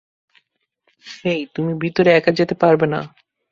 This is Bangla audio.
হেই, তুমি ভিতরে একা যেতে পারবে না।